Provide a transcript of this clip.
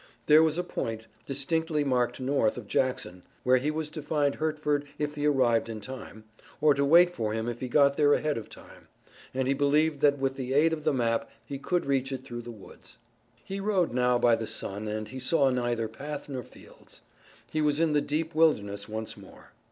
There was a point, distinctly marked north of Jackson, where he was to find Hertford if he arrived in time, or to wait for him if he got there ahead of time, and he believed that with the aid of the map he could reach it through the woods. He rode now by the sun and he saw neither path nor fields. He was in the deep wilderness once more.